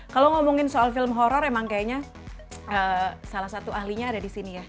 kalau ngomongin soal film horror emang kayaknya salah satu ahlinya ada di sini ya